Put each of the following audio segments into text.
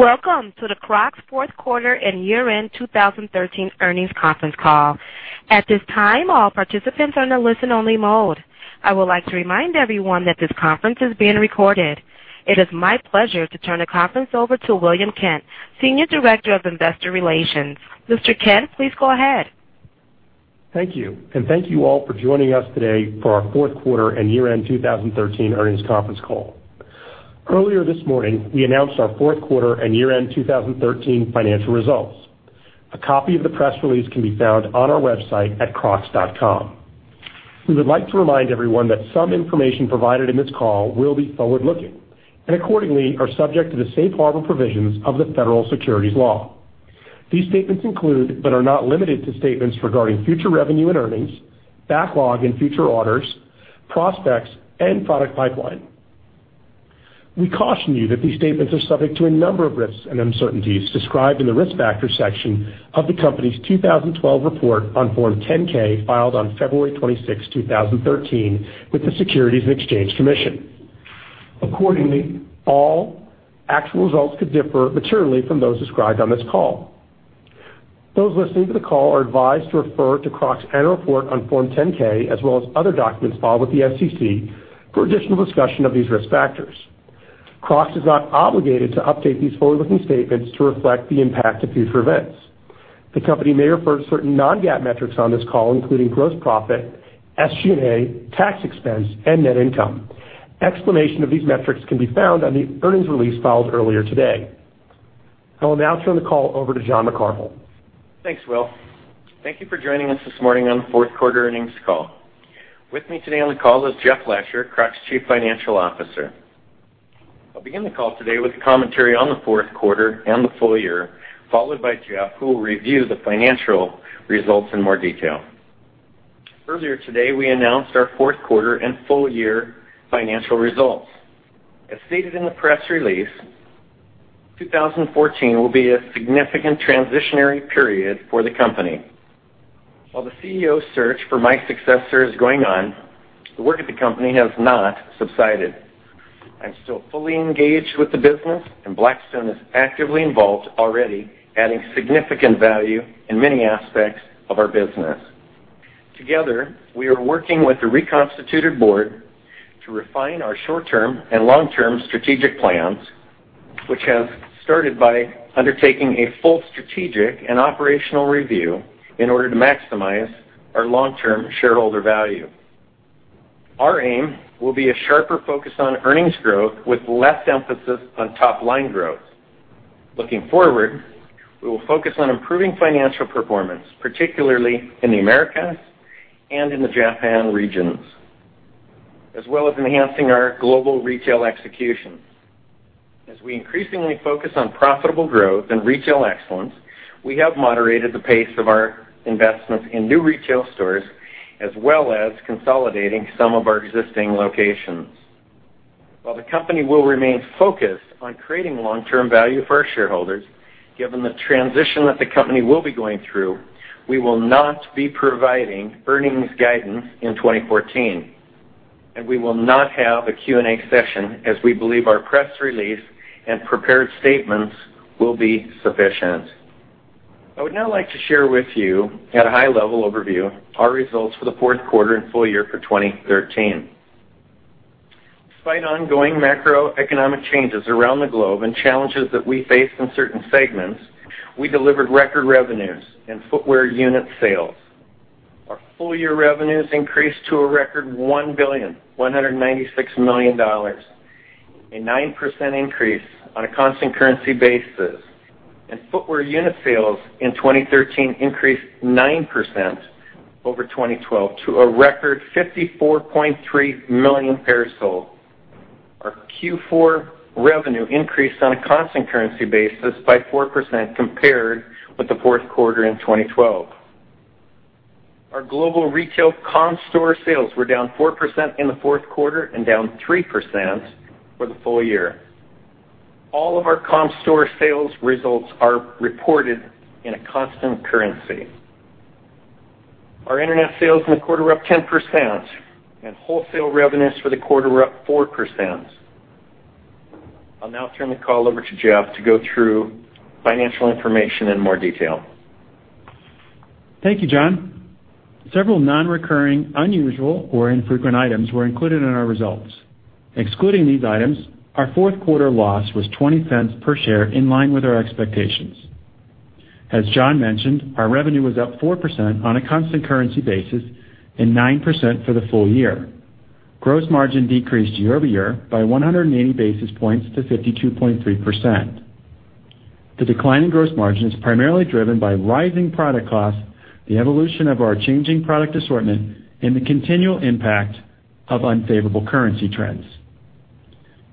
Welcome to the Crocs fourth quarter and year-end 2013 earnings conference call. At this time, all participants are on a listen-only mode. I would like to remind everyone that this conference is being recorded. It is my pleasure to turn the conference over to William Kent, Senior Director of Investor Relations. Mr. Kent, please go ahead. Thank you. Thank you all for joining us today for our fourth quarter and year-end 2013 earnings conference call. Earlier this morning, we announced our fourth quarter and year-end 2013 financial results. A copy of the press release can be found on our website at crocs.com. We would like to remind everyone that some information provided in this call will be forward-looking and accordingly are subject to the safe harbor provisions of the Federal Securities law. These statements include, but are not limited to, statements regarding future revenue and earnings, backlog and future orders, prospects, and product pipeline. We caution you that these statements are subject to a number of risks and uncertainties described in the Risk Factors section of the company's 2012 report on Form 10-K, filed on February 26, 2013, with the Securities and Exchange Commission. Accordingly, all actual results could differ materially from those described on this call. Those listening to the call are advised to refer to Crocs annual report on Form 10-K as well as other documents filed with the SEC for additional discussion of these risk factors. Crocs is not obligated to update these forward-looking statements to reflect the impact of future events. The company may refer to certain non-GAAP metrics on this call, including gross profit, SG&A, tax expense and net income. Explanation of these metrics can be found on the earnings release filed earlier today. I will now turn the call over to John McCarvel. Thanks, Will. Thank you for joining us this morning on the fourth quarter earnings call. With me today on the call is Jeff Lasher, Crocs Chief Financial Officer. I'll begin the call today with a commentary on the fourth quarter and the full year, followed by Jeff, who will review the financial results in more detail. Earlier today, we announced our fourth quarter and full year financial results. As stated in the press release, 2014 will be a significant transitionary period for the company. While the CEO search for my successor is going on, the work at the company has not subsided. I'm still fully engaged with the business, and Blackstone is actively involved already adding significant value in many aspects of our business. Together, we are working with the reconstituted board to refine our short-term and long-term strategic plans, which have started by undertaking a full strategic and operational review in order to maximize our long-term shareholder value. Our aim will be a sharper focus on earnings growth with less emphasis on top-line growth. Looking forward, we will focus on improving financial performance, particularly in the Americas and in the Japan regions, as well as enhancing our global retail execution. As we increasingly focus on profitable growth and retail excellence, we have moderated the pace of our investments in new retail stores as well as consolidating some of our existing locations. While the company will remain focused on creating long-term value for our shareholders, given the transition that the company will be going through, we will not be providing earnings guidance in 2014, and we will not have a Q&A session as we believe our press release and prepared statements will be sufficient. I would now like to share with you at a high-level overview our results for the fourth quarter and full year for 2013. Despite ongoing macroeconomic changes around the globe and challenges that we face in certain segments, we delivered record revenues and footwear unit sales. Our full year revenues increased to a record $1,196,000,000, a 9% increase on a constant currency basis, and footwear unit sales in 2013 increased 9% over 2012 to a record 54.3 million pairs sold. Our Q4 revenue increased on a constant currency basis by 4% compared with the fourth quarter in 2012. Our global retail comp store sales were down 4% in the fourth quarter and down 3% for the full year. All of our comp store sales results are reported in a constant currency. Our internet sales in the quarter were up 10%, and wholesale revenues for the quarter were up 4%. I'll now turn the call over to Jeff to go through financial information in more detail. Thank you, John. Several non-recurring, unusual or infrequent items were included in our results. Excluding these items, our fourth quarter loss was $0.20 per share, in line with our expectations. As John mentioned, our revenue was up 4% on a constant currency basis and 9% for the full year. Gross margin decreased year-over-year by 180 basis points to 52.3%. The decline in gross margin is primarily driven by rising product costs, the evolution of our changing product assortment, and the continual impact of unfavorable currency trends.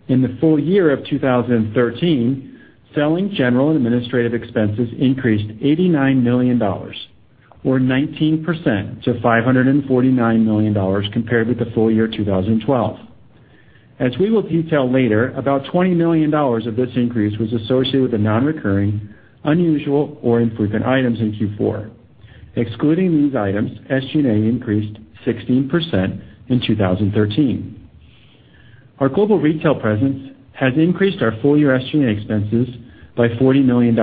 In the full year of 2013, selling, general, and administrative expenses increased $89 million or 19% to $549 million compared with the full year 2012. As we will detail later, about $20 million of this increase was associated with the non-recurring, unusual, or infrequent items in Q4. Excluding these items, SG&A increased 16% in 2013. Our global retail presence has increased our full-year SGA expenses by $40 million.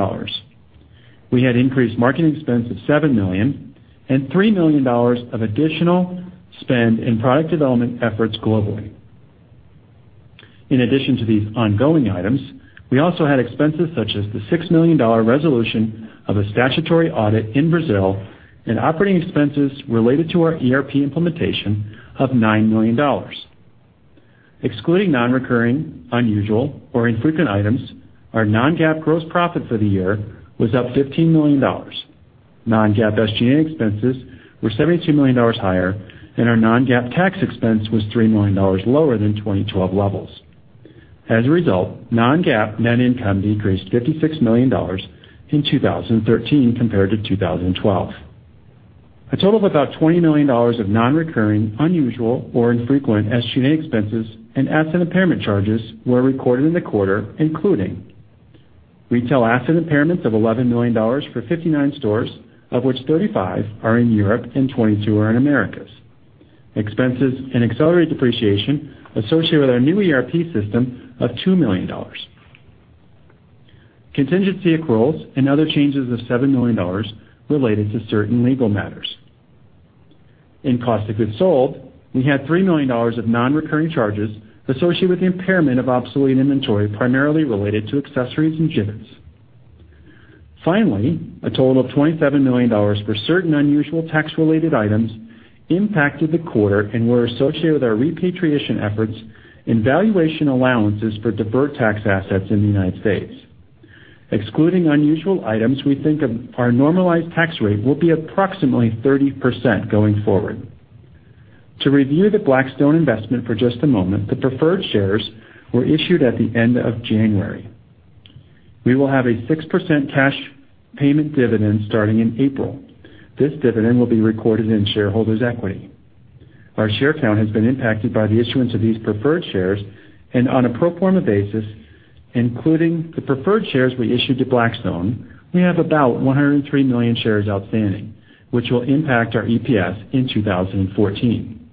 We had increased marketing expense of $7 million and $3 million of additional spend in product development efforts globally. In addition to these ongoing items, we also had expenses such as the $6 million resolution of a statutory audit in Brazil and operating expenses related to our ERP implementation of $9 million. Excluding non-recurring, unusual, or infrequent items, our non-GAAP gross profit for the year was up $15 million. Non-GAAP SGA expenses were $72 million higher, and our non-GAAP tax expense was $3 million lower than 2012 levels. As a result, non-GAAP net income decreased $56 million in 2013 compared to 2012. A total of about $20 million of non-recurring, unusual, or infrequent SGA expenses and asset impairment charges were recorded in the quarter, including retail asset impairments of $11 million for 59 stores, of which 35 are in Europe and 22 are in Americas. Expenses and accelerated depreciation associated with our new ERP system of $2 million. Contingency accruals and other changes of $7 million related to certain legal matters. In cost of goods sold, we had $3 million of non-recurring charges associated with the impairment of obsolete inventory, primarily related to accessories and Jibbitz. A total of $27 million for certain unusual tax-related items impacted the quarter and were associated with our repatriation efforts and valuation allowances for deferred tax assets in the United States. Excluding unusual items, we think our normalized tax rate will be approximately 30% going forward. To review the Blackstone investment for just a moment, the preferred shares were issued at the end of January. We will have a 6% cash payment dividend starting in April. This dividend will be recorded in shareholders' equity. Our share count has been impacted by the issuance of these preferred shares, and on a pro forma basis, including the preferred shares we issued to Blackstone, we have about 103 million shares outstanding, which will impact our EPS in 2014.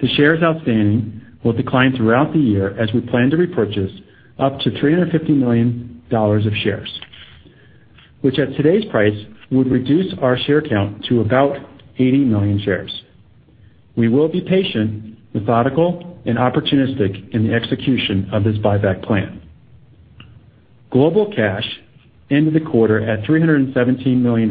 The shares outstanding will decline throughout the year as we plan to repurchase up to $350 million of shares, which at today's price, would reduce our share count to about 80 million shares. We will be patient, methodical, and opportunistic in the execution of this buyback plan. Global cash ended the quarter at $317 million.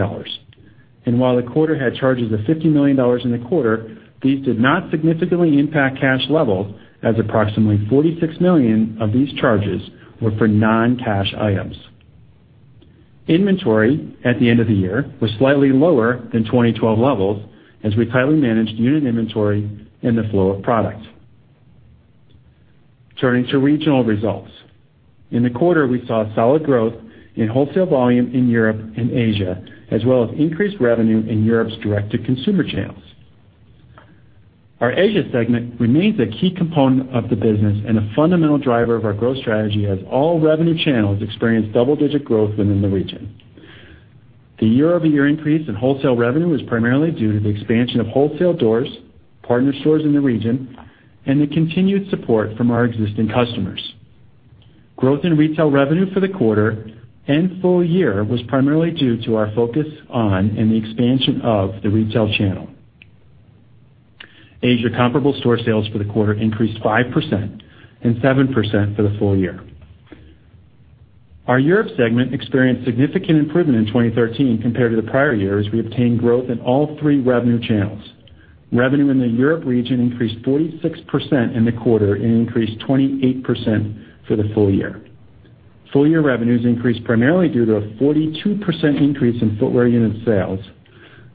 While the quarter had charges of $50 million in the quarter, these did not significantly impact cash level, as approximately $46 million of these charges were for non-cash items. Inventory at the end of the year was slightly lower than 2012 levels, as we tightly managed unit inventory and the flow of product. Turning to regional results. In the quarter, we saw solid growth in wholesale volume in Europe and Asia, as well as increased revenue in Europe's direct-to-consumer channels. Our Asia segment remains a key component of the business and a fundamental driver of our growth strategy as all revenue channels experienced double-digit growth within the region. The year-over-year increase in wholesale revenue is primarily due to the expansion of wholesale doors, partner stores in the region, and the continued support from our existing customers. Growth in retail revenue for the quarter and full year was primarily due to our focus on and the expansion of the retail channel. Asia comparable store sales for the quarter increased 5% and 7% for the full year. Our Europe segment experienced significant improvement in 2013 compared to the prior year as we obtained growth in all three revenue channels. Revenue in the Europe region increased 46% in the quarter and increased 28% for the full year. Full-year revenues increased primarily due to a 42% increase in footwear unit sales,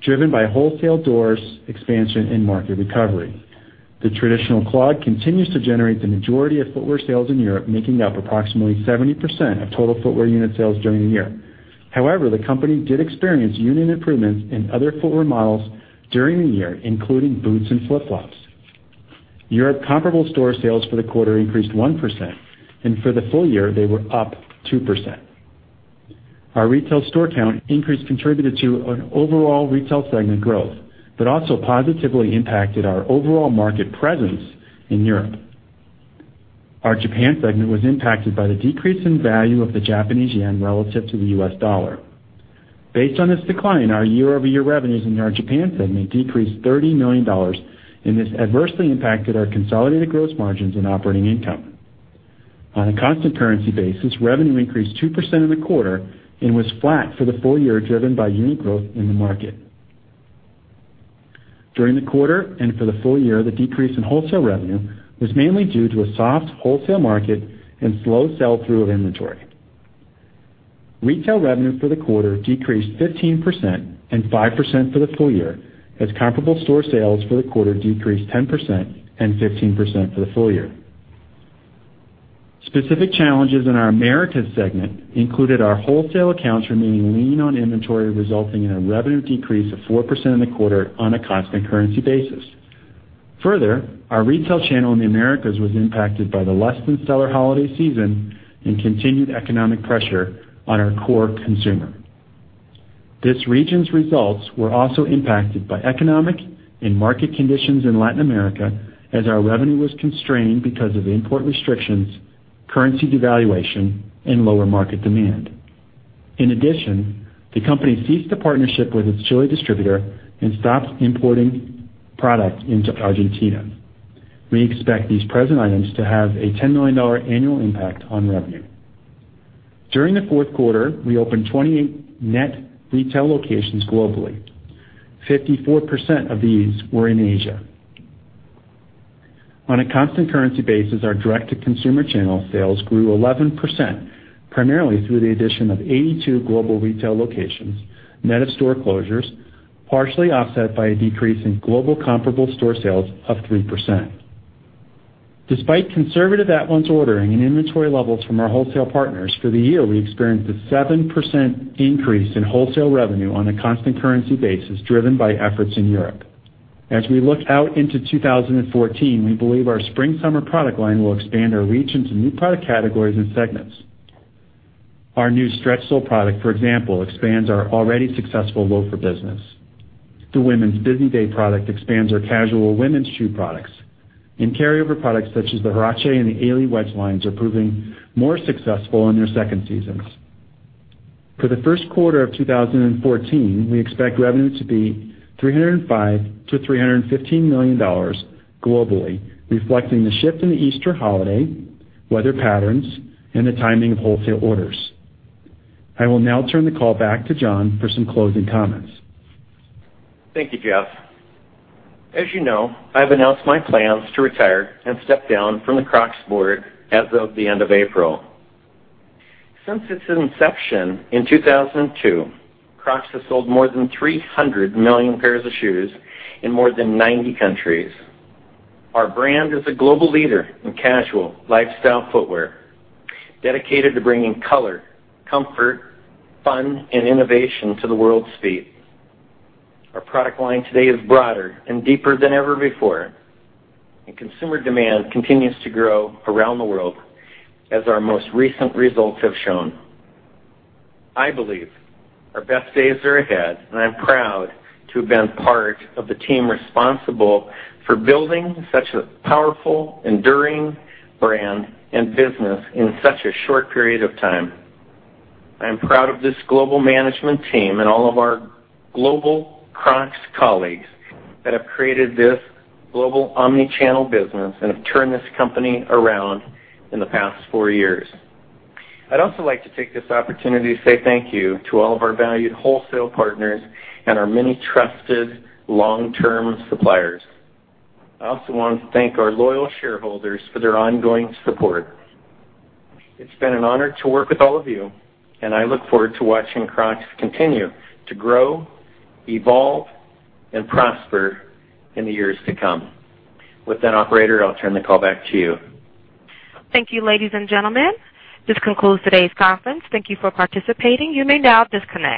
driven by wholesale doors expansion and market recovery. The traditional clog continues to generate the majority of footwear sales in Europe, making up approximately 70% of total footwear unit sales during the year. However, the company did experience unit improvements in other footwear models during the year, including boots and flip-flops. Europe comparable store sales for the quarter increased 1%, and for the full year, they were up 2%. Our retail store count increase contributed to an overall retail segment growth, also positively impacted our overall market presence in Europe. Our Japan segment was impacted by the decrease in value of the Japanese yen relative to the US dollar. Based on this decline, our year-over-year revenues in our Japan segment decreased $30 million, this adversely impacted our consolidated gross margins and operating income. On a constant currency basis, revenue increased 2% in the quarter and was flat for the full year, driven by unit growth in the market. During the quarter and for the full year, the decrease in wholesale revenue was mainly due to a soft wholesale market and slow sell-through of inventory. Retail revenue for the quarter decreased 15% and 5% for the full year, as comparable store sales for the quarter decreased 10% and 15% for the full year. Specific challenges in our Americas segment included our wholesale accounts remaining lean on inventory, resulting in a revenue decrease of 4% in the quarter on a constant currency basis. Further, our retail channel in the Americas was impacted by the less-than-stellar holiday season and continued economic pressure on our core consumer. This region's results were also impacted by economic and market conditions in Latin America, as our revenue was constrained because of import restrictions, currency devaluation, and lower market demand. In addition, the company ceased the partnership with its Chile distributor and stopped importing product into Argentina. We expect these present items to have a $10 million annual impact on revenue. During the fourth quarter, we opened 28 net retail locations globally. 54% of these were in Asia. On a constant currency basis, our direct-to-consumer channel sales grew 11%, primarily through the addition of 82 global retail locations, net of store closures, partially offset by a decrease in global comparable store sales of 3%. Despite conservative at-once ordering and inventory levels from our wholesale partners, for the year, we experienced a 7% increase in wholesale revenue on a constant currency basis, driven by efforts in Europe. As we look out into 2014, we believe our spring/summer product line will expand our reach into new product categories and segments. Our new Stretch Sole product, for example, expands our already successful loafer business. The women's Busy Day product expands our casual women's shoe products. Carryover products such as the Huarache and the A-leigh Wedge lines are proving more successful in their second seasons. For the first quarter of 2014, we expect revenue to be $305 million-$315 million globally, reflecting the shift in the Easter holiday, weather patterns, and the timing of wholesale orders. I will now turn the call back to John for some closing comments. Thank you, Jeff. As you know, I've announced my plans to retire and step down from the Crocs board as of the end of April. Since its inception in 2002, Crocs has sold more than 300 million pairs of shoes in more than 90 countries. Our brand is a global leader in casual lifestyle footwear, dedicated to bringing color, comfort, fun, and innovation to the world's feet. Consumer demand continues to grow around the world, as our most recent results have shown. I believe our best days are ahead. I'm proud to have been part of the team responsible for building such a powerful, enduring brand and business in such a short period of time. I am proud of this global management team and all of our global Crocs colleagues that have created this global omni-channel business and have turned this company around in the past 4 years. I'd also like to take this opportunity to say thank you to all of our valued wholesale partners and our many trusted long-term suppliers. I also want to thank our loyal shareholders for their ongoing support. It's been an honor to work with all of you. I look forward to watching Crocs continue to grow, evolve, and prosper in the years to come. With that, operator, I'll turn the call back to you. Thank you, ladies and gentlemen. This concludes today's conference. Thank you for participating. You may now disconnect.